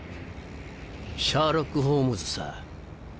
シャーロック・ホームズさ。